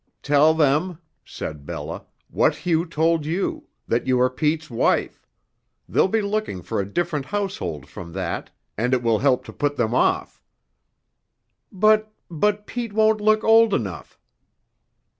"Tell them," said Bella, "what Hugh told you that you are Pete's wife. They'll be looking for a different household from that, and it will help to put them off." "But but Pete won't look old enough."